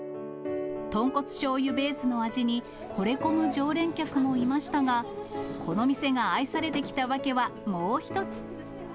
豚骨しょうゆベースの味にほれ込む常連客もいましたが、この店が愛されてきた訳はもう一つ。